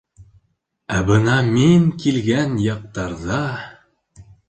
Ә бына мин килгән яҡтарҙа...